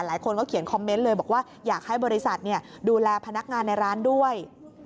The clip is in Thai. หลายคนก็เขียนคอมเมนต์เลยบอกว่าอยากให้บริษัทดูแลพนักงานในร้านด้วย